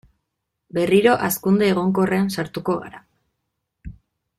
Berriro hazkunde egonkorrean sartuko gara.